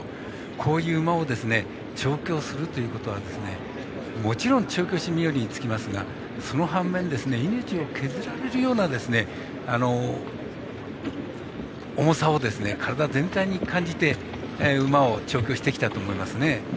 こういう馬を調教するということはもちろん調教師冥利に尽きますがその反面命を削られるような重さを体全体に感じて、馬を調教してきたと思いますね。